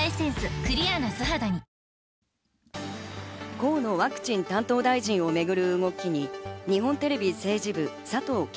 河野ワクチン担当大臣をめぐる動きに日本テレビ政治部・佐藤圭